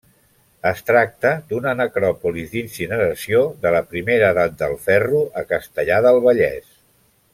Es tracta d'una necròpolis d'incineració de la Primera Edat del ferro a Castellar del Vallès.